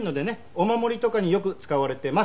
お守りとかによく使われてます。